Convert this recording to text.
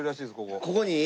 ここに？